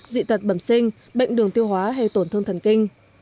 dị tật bẩm sinh bệnh đường tiêu hóa hay tổn thương thần kinh